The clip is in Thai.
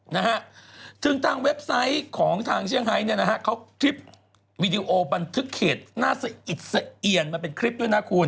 นะฮะถึงทางเว็บไซต์ของทางเชียงไฮเนี่ยนะฮะเขาคลิปวีดีโอบันทึกเขตหน้าสะอิดสะเอียนมันเป็นคลิปด้วยนะคุณ